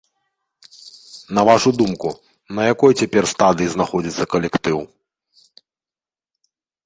На вашу думку, на якой цяпер стадыі знаходзіцца калектыў?